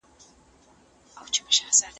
په قلم لیکنه کول د فکرونو ترمنځ تار غځوي.